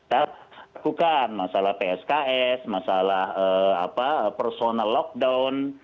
kita lakukan masalah psks masalah personal lockdown